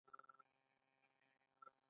سږي په ورځ یوولس زره لیټره هوا تنفس کوي.